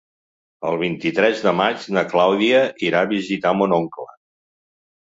El vint-i-tres de maig na Clàudia irà a visitar mon oncle.